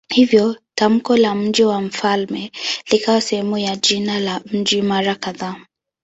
Hivyo tamko la "mji wa mfalme" likawa sehemu ya jina la mji mara kadhaa.